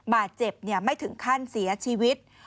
บาดเจ็บไม่ถึงขั้นเสียชีวิต